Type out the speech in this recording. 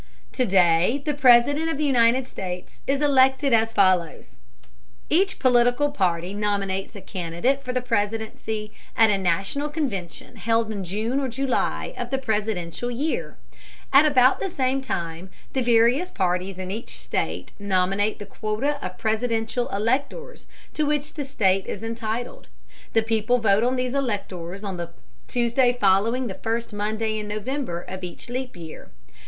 To day the President of the United States is elected as follows: Each political party nominates a candidate for the presidency at a national convention held in June or July of the presidential year. At about the same time the various parties in each state nominate the quota of presidential electors to which the state is entitled. The people vote on these electors on the Tuesday following the first Monday in November of each leap year.